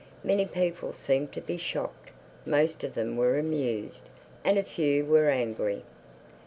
Many people seemed to be shocked; most of them were amused; and a few were angry.